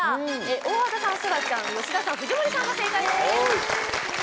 大和田さん、そらちゃん吉田さん、藤森さんが正解です！